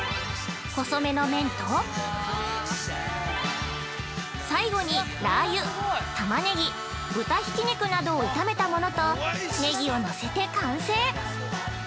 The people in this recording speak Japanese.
細めの麺と、最後にラー油、タマネギ、豚ひき肉などを炒めたものとネギをのせて完成。